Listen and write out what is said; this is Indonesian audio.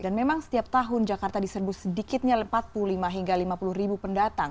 dan memang setiap tahun jakarta diserbu sedikitnya empat puluh lima hingga lima puluh ribu pendatang